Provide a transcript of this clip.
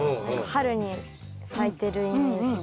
春に咲いてるイメージが。